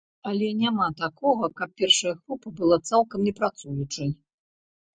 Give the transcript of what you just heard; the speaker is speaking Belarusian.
Але няма такога, каб першая група была цалкам не працуючай.